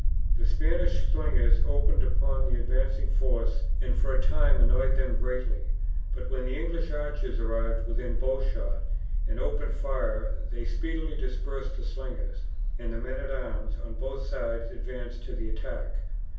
The Spanish slingers opened upon the advancing force and for a time annoyed them greatly, but when the English archers arrived within bow shot and opened fire they speedily dispersed the slingers, and the men at arms on both sides advanced to the attack.